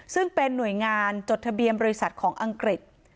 ซึ่งเป็นหน่วยงานจดทะเบียนบริษัทของอังกฤษ